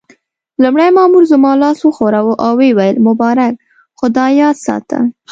لومړي مامور زما لاس وښوراوه او ويې ویل: مبارک، خو دا یاد ساته.